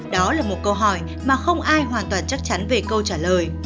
đó là một câu hỏi mà không ai hoàn toàn chắc chắn về câu trả lời